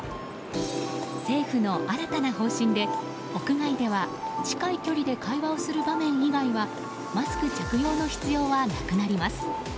政府の新たな方針で屋外では近い距離で会話をする場面以外はマスク着用の必要はなくなります。